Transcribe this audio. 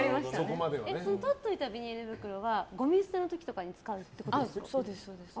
とっておいたビニール袋はごみ捨ての時とかに使うんですか。